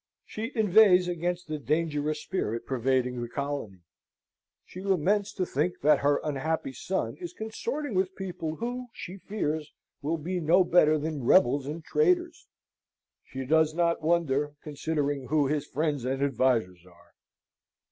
She inveighs against the dangerous spirit pervading the colony: she laments to think that her unhappy son is consorting with people who, she fears, will be no better than rebels and traitors. She does not wonder, considering who his friends and advisers are.